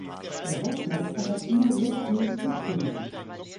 Der Hausmeister hat immer so viel zu tun.